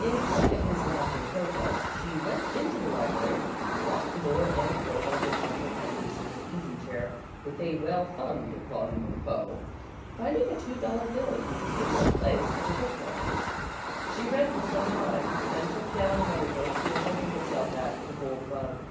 In spite of his laughing protest, she went into the library, locked the door, and curled up in Uncle Ebeneezer's easy chair with a well thumbed volume of Poe, finding a two dollar bill used in one place as a book mark. She read for some time, then took down another book, which opened of itself at "The Gold Bug."